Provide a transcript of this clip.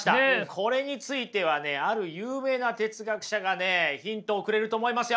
これについてはねある有名な哲学者がねヒントをくれると思いますよ。